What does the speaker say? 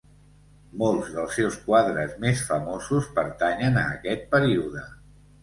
Molts dels seus quadres més famosos pertanyen a aquest període.